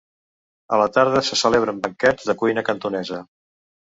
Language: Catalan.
A la tarda se celebren banquets de cuina cantonesa.